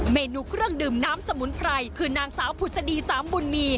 เมนูเครื่องดื่มน้ำสมุนไพรคือนางสาวผุศดีสามบุญมี